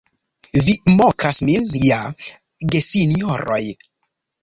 Vi mokas min ja, gesinjoroj!